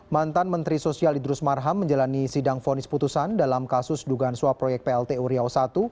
mantan menteri sosial idrus marham menjalani sidang fonis putusan dalam kasus dugaan suap proyek plt uriau i